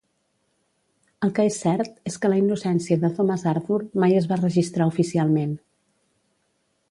El que és cert és que la innocència de Thomas Arthur mai es va registrar oficialment.